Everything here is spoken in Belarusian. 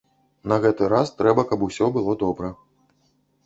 На гэты раз трэба, каб усё было добра.